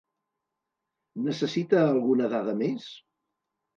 Necessita alguna dada més?